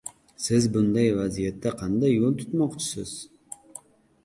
Siz bunday vaziyatda qanday yo‘l tutmoqchisiz?